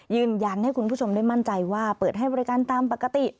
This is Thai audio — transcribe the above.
ยืนยันให้คุณผู้ชมได้มั่นใจว่าเปิดให้บริการตามปกติ